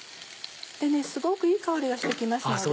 すごくいい香りがして来ますので。